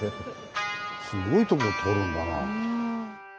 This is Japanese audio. すごいとこを通るんだな。